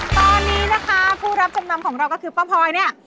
ตอนนี้นะคะผู้รับจำนำของเราก็คือป้าพลอยเนี่ย